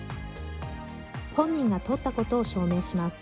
本人が撮ったことを証明します。